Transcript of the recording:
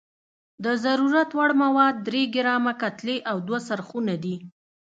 د ضرورت وړ مواد درې ګرامه کتلې او دوه څرخونه دي.